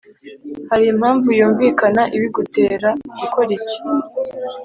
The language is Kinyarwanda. hari impamvu yumvikana ibigutera gukora ibyo